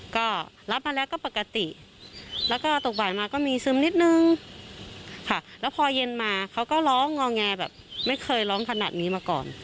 ก็รับมาแล้วก็ปกติแล้วก็ตกบ่ายมาก็มีซึมนิดนึงค่ะแล้วพอเย็นมาเขาก็ร้องงอแงแบบไม่เคยร้องขนาดนี้มาก่อน